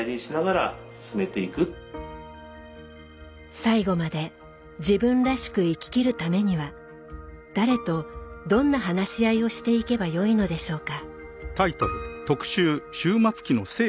最後まで自分らしく生ききるためには誰とどんな話し合いをしていけばよいのでしょうか。